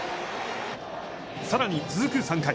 さらに続く３回。